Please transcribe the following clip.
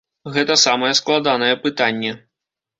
Гэта самае складанае пытанне.